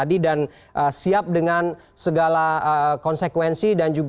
dih diplonia ini mereka ongkron earned output